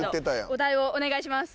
お題をお願いします。